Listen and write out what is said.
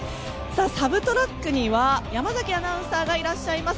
サブトラックには山崎アナウンサーがいらっしゃいます。